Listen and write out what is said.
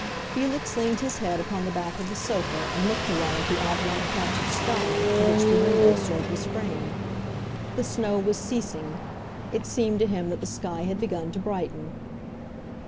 Felix leaned his head upon the back of the sofa and looked awhile at the oblong patch of sky to which the window served as frame. The snow was ceasing; it seemed to him that the sky had begun to brighten.